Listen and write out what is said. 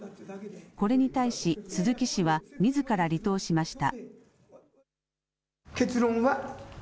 これに対し、鈴木氏はみずから離党しました。